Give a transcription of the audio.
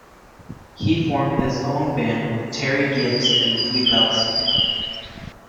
He formed his own band with Terry Gibbs and Louie Bellson.